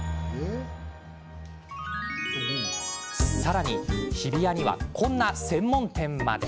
さらに日比谷にはこんな専門店まで。